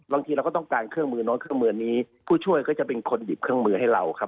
บางทีเราก็ต้องการเครื่องมือโน้นเครื่องมือนี้ผู้ช่วยก็จะเป็นคนหยิบเครื่องมือให้เราครับ